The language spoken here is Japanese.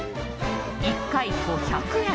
１回５００円。